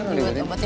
udah tidur apa